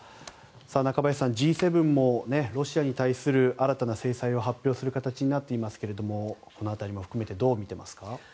中林さん、Ｇ７もロシアに対する新たな制裁を発表する形になっていますがこの辺りも含めてどう見ていますか。